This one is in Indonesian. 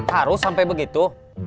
harus sampai begitu